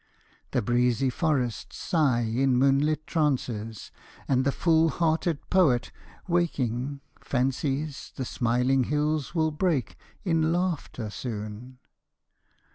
The breezy forests sigh in moonlit trances, And the full hearted poet, waking, fancies The smiling hills will break in laughter soon.